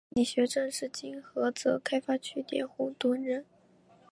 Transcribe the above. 李学政是今菏泽开发区佃户屯人。